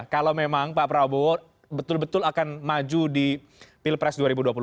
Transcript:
kalau memang pak prabowo betul betul akan maju di pilpres dua ribu dua puluh